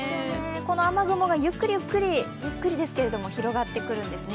この雨雲がゆっくりゆっくり広がってくるんですね。